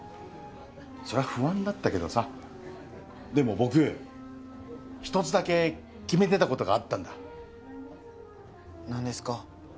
そりゃ不安だったけどさでも僕１つだけ決めてたことがあったんだ何ですか？